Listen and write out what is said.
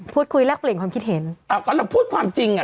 พูดคุยแรกเปลี่ยงความคิดเห็นอ้าวเราพูดความจริงอ่ะ